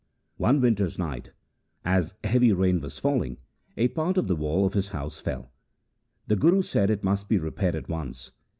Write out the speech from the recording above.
One winter's night, as heavy rain was falling, a part of the wall of his house fell. The Guru said it must be repaired at once.